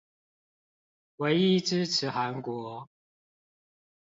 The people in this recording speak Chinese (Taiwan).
唯一支持韓國